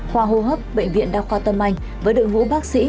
khoa hô hấp bệnh viện đa khoa tân manh với đựng hữu bác sĩ